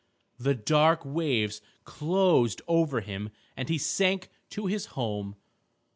The dark waves closed over him and he sank to his home.